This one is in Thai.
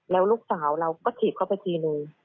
แล้วลูกสาวเราก็ถีบเข้าไปทีนึง